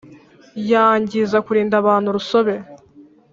yangiza kurinda abantu urusobe